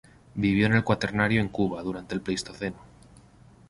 Vivió en el cuaternario en Cuba, durante el Pleistoceno.